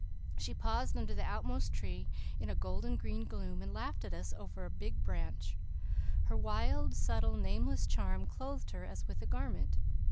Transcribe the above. She paused under the outmost tree, in a golden green gloom, and laughed at us over a big branch. Her wild, subtle, nameless charm clothed her as with a garment.